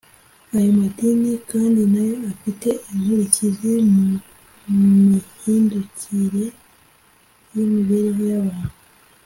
ayo madini kandi nayo afite inkurikizi mu mihindukire y'imibereho y'abantu,